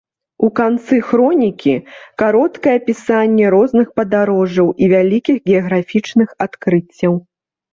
У канцы хронікі кароткае апісанне розных падарожжаў і вялікіх геаграфічных адкрыццяў.